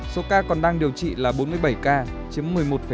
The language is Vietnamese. số ca còn đang điều trị là bốn mươi bảy ca chiếm một mươi một bốn